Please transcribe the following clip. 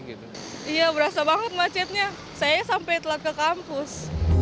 iya berasa banget macetnya saya sampai telat ke kampus